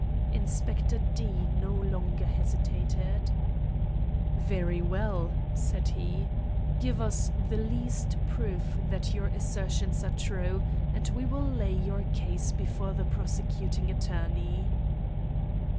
Inspector D—— no longer hesitated. "Very well," said he, "give us the least proof that your assertions are true, and we will lay your case before the prosecuting attorney."